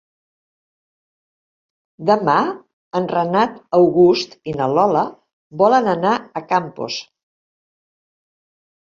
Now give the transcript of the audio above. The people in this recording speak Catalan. Demà en Renat August i na Lola volen anar a Campos.